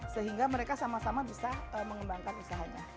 sehingga mereka sama sama bisa mengembangkan usahanya